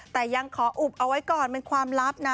แต่ยังขออุบเอาไว้ก่อนเป็นความลับนะ